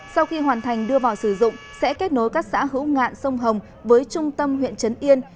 sau khi hoàn thành đưa vào sử dụng sẽ kết nối các xã hữu ngạn sông hồng với trung tâm huyện trấn yên